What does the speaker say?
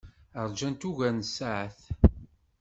Ṛjant ugar n tsaɛet.